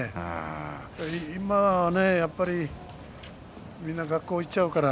今はやっぱりみんな学校に行っちゃうから。